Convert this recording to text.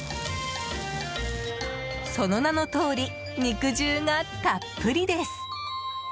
その名のとおり肉汁がたっぷりです！